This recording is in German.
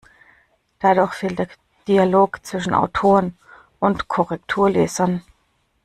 Dadurch fehlt der Dialog zwischen Autoren und Korrekturlesern.